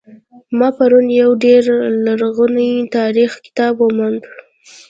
ما پرون یو ډیر لرغنۍتاریخي کتاب وموند